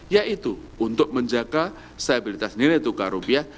yaitu untuk menjaga stabilitas nilai tukar rupiah